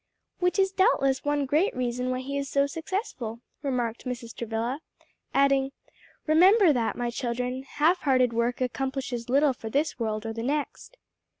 "Which is doubtless one great reason why he is so successful," remarked Mrs. Travilla, adding, "Remember that, my children; half hearted work accomplishes little for this world or the next."